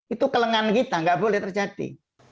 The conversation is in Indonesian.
itu kelengan kita nggak boleh terjadi